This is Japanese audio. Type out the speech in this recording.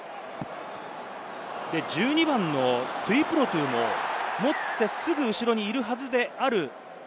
１２番のトゥイプロトゥも持って、すぐ後ろにいるはずである。